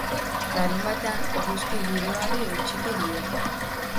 Larunbatean eguzki giroari eutsiko dio.